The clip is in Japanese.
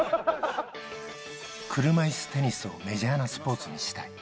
車いすテニスをメジャーなスポーツにしたい。